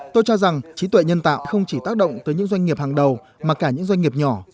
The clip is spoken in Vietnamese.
tôi cho rằng trí tuệ nhân tạo không chỉ tác động tới những doanh nghiệp hàng đầu mà cả những doanh nghiệp nhỏ